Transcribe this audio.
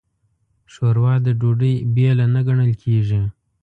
ښوروا د ډوډۍ بېله نه ګڼل کېږي.